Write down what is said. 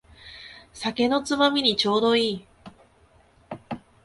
酒のつまみにちょうどいい